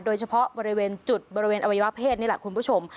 โดยเฉพาะบริเวณจุดบริเวณอวัยวะเพศนี่แหละคุณผู้ชม